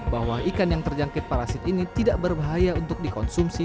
bahwa ikan yang terjangkit parasit ini tidak berbahaya untuk dikonsumsi